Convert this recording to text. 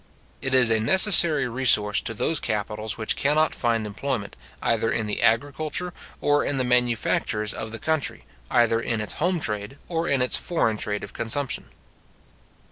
It is a necessary resource to those capitals which cannot find employment, either in the agriculture or in the manufactures of the country, either in its home trade, or in its foreign trade of consumption.